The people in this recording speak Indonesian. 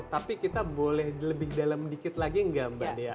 tapi kita boleh lebih dalam dikit lagi nggak mbak dea